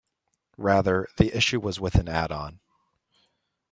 Rather, the issue was with an add-on.